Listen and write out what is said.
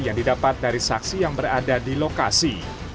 yang didapat dari saksi yang berada di lokasi